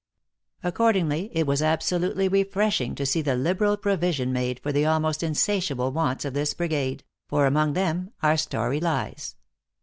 Accordingly, it was absolutely refreshing to see the liberal provision made for the almost insatiable wants of this brigade for among them our story lies.